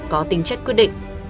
có tính chất quyết định